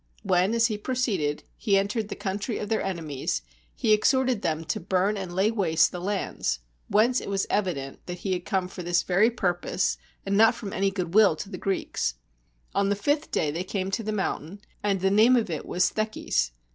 When, as he proceeded, he entered the country of their enemies, he exhorted them to burn and lay waste the lands; whence it was evident that he had come for this very purpose, and not from any good will to the Greeks. On the fifth day they came to the mountain; and the name of it was Theches.